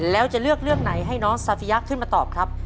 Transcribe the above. แล้วจะเลือกเรื่องไหนให้น้องซาฟิยะขึ้นมาตอบครับ